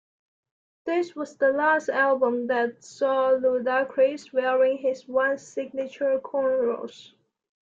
This was the last album that saw Ludacris wearing his once signature cornrows.